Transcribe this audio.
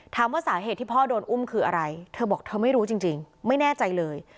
ถามว่าสาเหตุที่พ่อโดนอุ้มคืออะไรเธอบอกเธอไม่รู้จริงไม่แน่ใจเลย